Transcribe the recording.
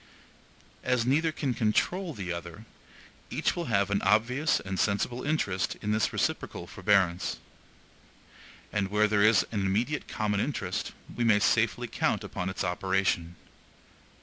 As neither can CONTROL the other, each will have an obvious and sensible interest in this reciprocal forbearance. And where there is an IMMEDIATE common interest, we may safely count upon its operation.